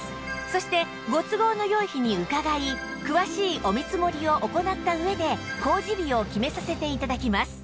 そしてご都合の良い日に伺い詳しいお見積もりを行った上で工事日を決めさせて頂きます